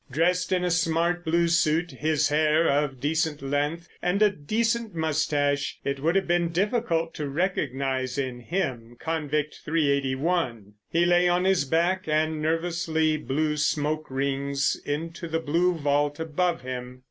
Dressed in a smart blue suit, his hair of decent length, and a decent moustache, it would have been difficult to recognise in him Convict 381! He lay on his back and nervously blew smoke rings into the blue vault above him.